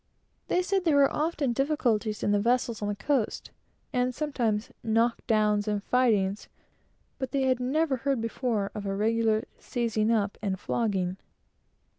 They said there were often difficulties in vessels on the coast, and sometimes knock downs and fightings, but they had never heard before of a regular seizing up and flogging.